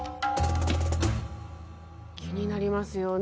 気になりますよね。